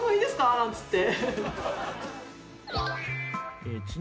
なんつって。